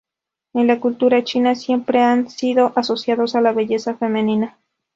En la cultura china siempre han sido asociadas a la belleza femenina.